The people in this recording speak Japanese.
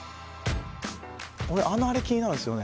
俺あのあれ気になるんですよね